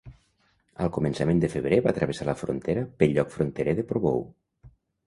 Al començament de febrer va travessar la frontera pel lloc fronterer de Portbou.